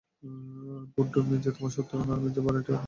গুড্ডু, মির্জা তোমার শত্রু না, আর মির্জা, ভাড়াটিয়ারা আপনার শত্রু না।